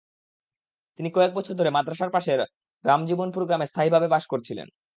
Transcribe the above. তিনি কয়েক বছর ধরে মাদ্রাসার পাশে রামজীবনপুর গ্রামে স্থায়ীভাবে বাস করছিলেন।